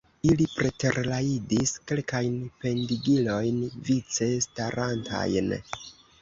Ili preterrajdis kelkajn pendigilojn, vice starantajn.